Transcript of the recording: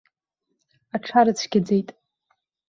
Аҽарыцәгьаӡеит.